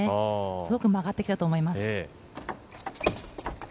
すごく曲がってきたと思います。